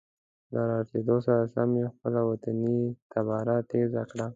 له را رسیدو سره سم یې خپله وطني تباره تیزه کړه.